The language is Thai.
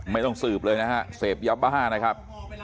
ไม่ต้องสืบเลยนะฮะเสพยาบ้านะครับ